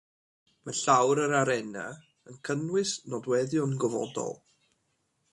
Mae llawr yr arena'n cynnwys nodweddion gofodol.